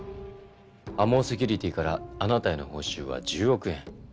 ＡＭＯセキュリティーからあなたへの報酬は１０億円。